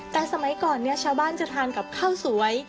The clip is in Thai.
แต่สมัยก่อนเนี่ยชาวบ้านจะทานกับข้าวสวย